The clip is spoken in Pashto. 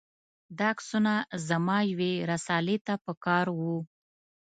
دا عکسونه زما یوې رسالې ته په کار و.